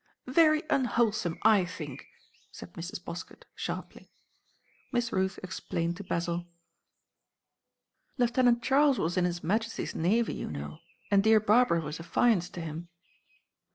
"Very unwholesome, I think," said Mrs. Poskett, sharply. Miss Ruth explained to Basil: "Lieutenant Charles was in His Majesty's Navy, you know, and dear Barbara was affianced to him."